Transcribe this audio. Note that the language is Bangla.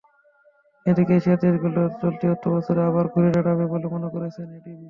এদিকে এশিয়ার দেশগুলো চলতি অর্থবছরে আবার ঘুরে দাঁড়াবে বলে মনে করছে এডিবি।